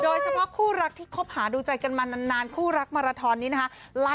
โดยเฉพาะคู่รักที่คบถูกดูใจกันมานานคู่รักมารทนนี้ใช่ไหม